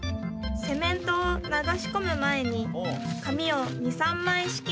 「セメントを流し込む前に紙を２３枚敷きます」